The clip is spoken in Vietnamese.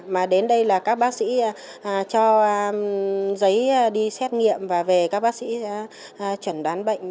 mà đến đây là các bác sĩ cho giấy đi xét nghiệm và về các bác sĩ chẩn đoán bệnh